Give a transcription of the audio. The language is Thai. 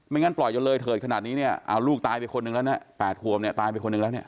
ไม่งั้นปล่อยเยอะเลยเถิดขนาดนี้เนี่ยเอาลูกตายไปคนนึงแล้วเนี่ยแปดหวมเนี่ยตายไปคนนึงแล้วเนี่ย